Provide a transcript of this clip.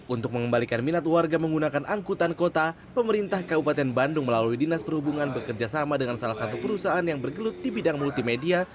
untuk mengembalikan minat warga menggunakan angkutan kota pemerintah kabupaten bandung melalui dinas perhubungan bekerjasama dengan salah satu perusahaan yang bergelut di bidang multimedia